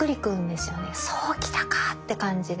そうきたかって感じで。